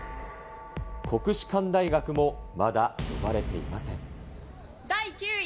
国士舘大学もまだ呼ばれていません。